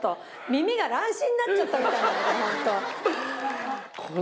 耳が乱視になっちゃったみたいなんだけど本当。